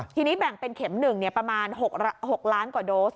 ทีนี้แบ่งเป็นเข็ม๑ประมาณ๖ล้านกว่าโดส